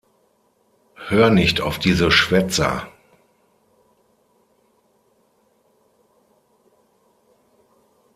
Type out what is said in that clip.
Hör nicht auf diese Schwätzer!